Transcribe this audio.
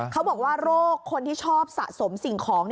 เขาบอกว่าโรคคนที่ชอบสะสมสิ่งของ